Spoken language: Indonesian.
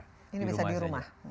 ini bisa di rumah